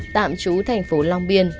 tạm trú thành phố long biên